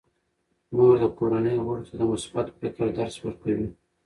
مور د کورنۍ غړو ته د مثبت فکر درس ورکوي.